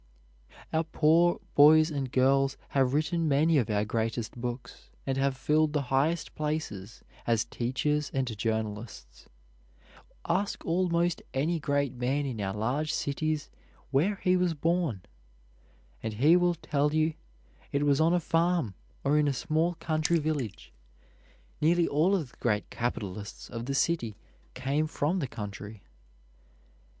Our poor boys and girls have written many of our greatest books, and have filled the highest places as teachers and journalists. Ask almost any great man in our large cities where he was born, and he will tell you it was on a farm or in a small country village. Nearly all of the great capitalists of the city came from the country.